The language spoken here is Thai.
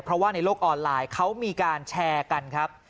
เพราะว่าในโลกออนไลน์เขามีการแชร์กันครับ